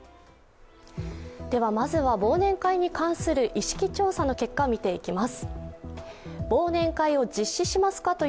ではまずは、忘年会に関する意識調査の結果、見ていきます。